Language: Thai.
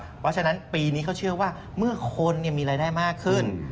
เพราะฉะนั้นปีนี้เขาเชื่อว่าเมื่อคนมีรายได้มากขึ้น